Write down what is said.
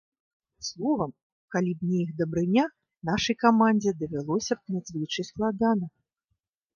Словам, калі б не іх дабрыня, нашай камандзе давялося б надзвычай складана.